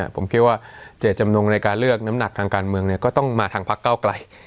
ผมคิดว่าเจตจำนงในการเลือกน้ำหนักทางการเมืองก็ต้องมาทางพักเก้าไกล